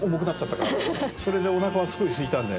それでおなかはすごいすいたんで。